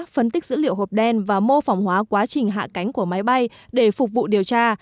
phân tích dữ liệu hộp đen và mô phỏng hóa quá trình hạ cánh của máy bay để phục vụ điều tra